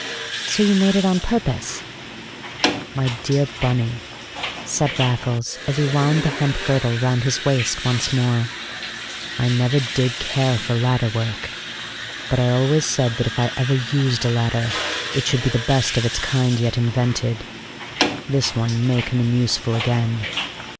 "So you made it on purpose!" "My dear Bunny," said Raffles, as he wound the hemp girdle round his waist once more, "I never did care for ladder work, but I always said that if I ever used a ladder it should be the best of its kind yet invented. This one may come in useful again."